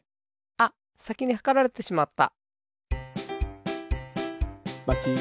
あっさきにはかられてしまった。